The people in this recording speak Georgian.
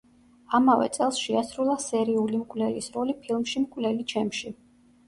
ამავე წელს შეასრულა სერიული მკვლელის როლი ფილმში „მკვლელი ჩემში“.